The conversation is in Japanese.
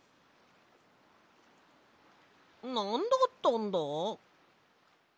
なんだったんだ？